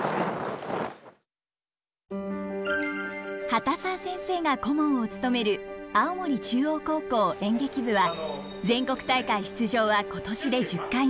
畑澤先生が顧問を務める青森中央高校演劇部は全国大会出場は今年で１０回目。